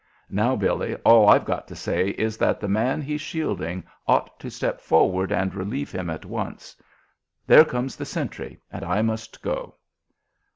Now, Billy, all I've got to say is that the man he's shielding ought to step forward and relieve him at once. There comes the sentry and I must go."